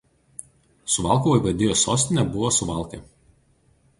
Suvalkų vaivadijos sostinė buvo Suvalkai.